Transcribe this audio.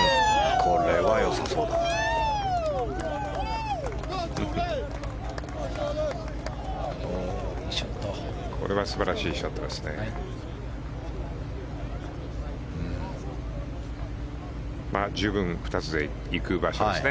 これは素晴らしいショットですね。